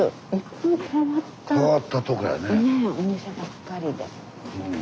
お店ばっかりで。